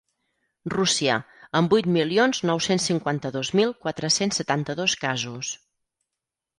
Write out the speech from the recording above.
Rússia, amb vuit milions nou-cents cinquanta-dos mil quatre-cents setanta-dos casos.